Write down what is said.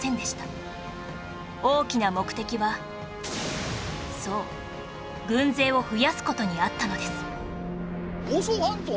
大きな目的はそう軍勢を増やす事にあったのです